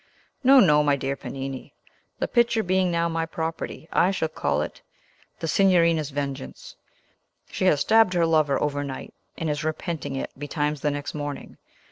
No, no, my dear Panini. The picture being now my property, I shall call it 'The Signorina's Vengeance.' She has stabbed her lover overnight, and is repenting it betimes the next morning.